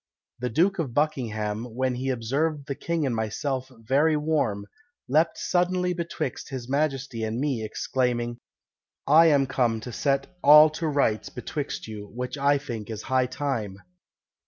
The Duke of Buckingham, when he observed the king and myself very warm, leapt suddenly betwixt his majesty and me, exclaiming, 'I am come to set all to rights betwixt you, which I think is high time.'"